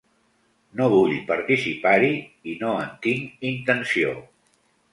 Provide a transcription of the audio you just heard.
No vull participar-hi i no en tinc intenció.